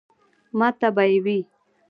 ماته به ئې وې ـ